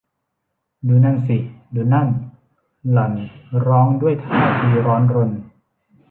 ดูนั่นสิ ดูนั่น หล่อนร้องด้วยท่าทีร้อนรน